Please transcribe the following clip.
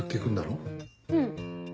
うん。